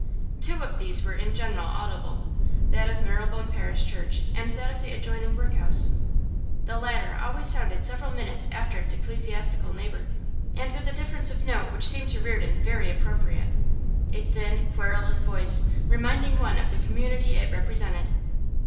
Two of these were in general audible, that of Marylebone parish church, and that of the adjoining workhouse; the latter always sounded several minutes after its ecclesiastical neighbour, and with a difference of note which seemed to Reardon very appropriate a thin, querulous voice, reminding one of the community it represented.